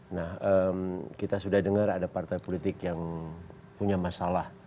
nah kita sudah dengar ada partai politik yang punya masalah